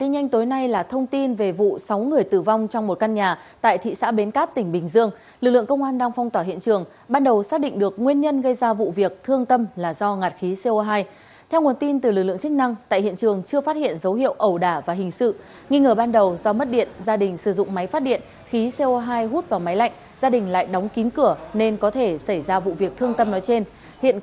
hãy đăng ký kênh để ủng hộ kênh của chúng mình nhé